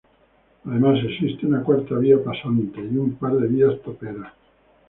Además existe una cuarta vía pasante, y un par de vías toperas.